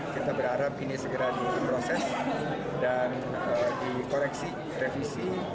kita berharap ini segera diproses dan dikoreksi revisi